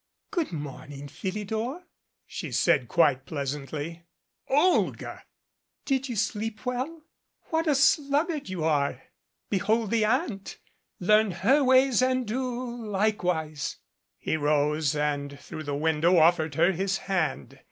"Good morning, Philidor," said she quite pleasantly. "Olga!" "Did you sleep well ? What a sluggard you are ! Be hold the ant learn her ways and do likewise." He rose, and through the window offered her his hand.